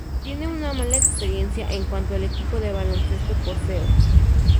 Tiene una mala experiencia en cuanto al equipo de baloncesto por Seo.